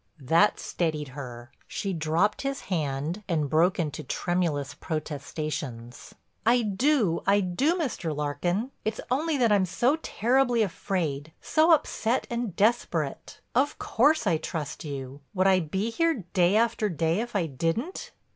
That steadied her. She dropped his hand and broke into tremulous protestations: "I do, I do, Mr. Larkin. It's only that I'm so terribly afraid, so upset and desperate. Of course I trust you. Would I be here, day after day, if I didn't?"